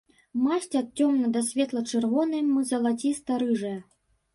Масць ад цёмна- да светла-чырвонай м залаціста-рыжая.